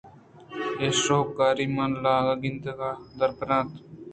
اے شاہوکاری من لاگ ءَ گِندان ءَ دربُرت